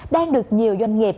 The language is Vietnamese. đang được nhiều doanh nghiệp